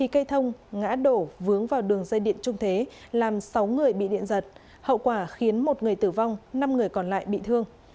một mươi cây thông ngã đổ vướng vào đường dây điện trung thế làm sáu người bị điện giật hậu quả khiến một người tử vong năm người còn lại bị thương